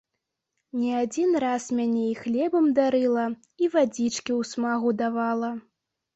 Не адзін раз мяне і хлебам дарыла, і вадзічкі ў смагу давала.